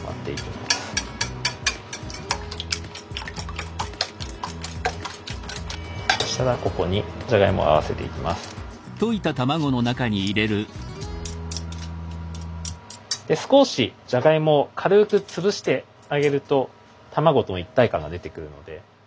で少しじゃがいもを軽く潰してあげると卵と一体感が出てくるので。